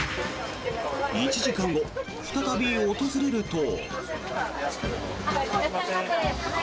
１時間後、再び訪れると。